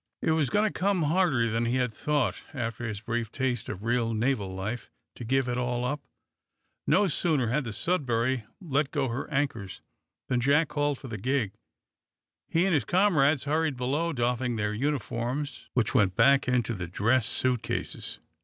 It was going to come harder than he had thought, after this brief taste of real naval life, to give it all up! No sooner had the "Sudbury" let go her anchors than Jack called for the gig. He and his comrades hurried below, doffing their uniforms, which went back into the dress suit cases.